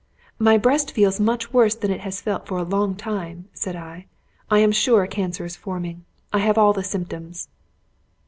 "My breast feels much worse than it has felt for a long time," said I. "I am sure a cancer is forming. I have all the symptoms."